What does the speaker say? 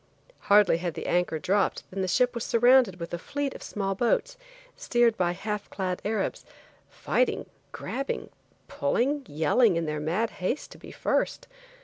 Hardly had the anchor dropped than the ship was surrounded with a fleet of small boats, steered by half clad Arabs, fighting, grabbing, pulling, yelling in their mad haste to be first.